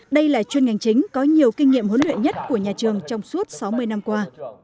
đây là chuyên ngành chính có nhiều kinh nghiệm huấn luyện nhất của nhà trường trong suốt sáu mươi năm qua